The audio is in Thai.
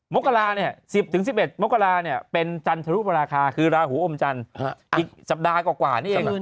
มกราเนี่ย๑๐๑๑มกราเป็นจันทรุปราคาคือราหูอมจันทร์อีกสัปดาห์กว่านี่เอง